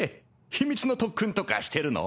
秘密の特訓とかしてるの？